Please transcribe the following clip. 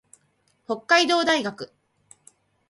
北海道大学